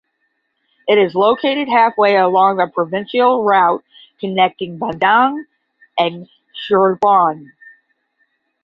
It is located halfway along the provincial route connecting Bandung and Cirebon.